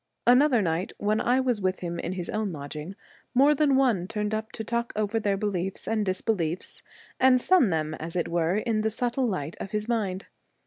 Another night, when I was with him in his own lodging, more than one turned up to talk over their beliefs and disbeliefs, and sun them as it were in the subtle light of his mind.